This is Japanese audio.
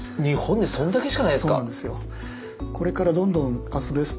そうなんですよ。